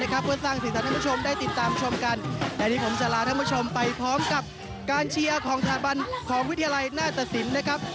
กลับไปถ้าถามคนกัลฟี่และคนบายตองกันต่อเลยครับ